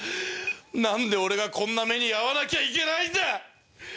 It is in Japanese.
何で俺がこんな目に遭わなきゃいけないんだ！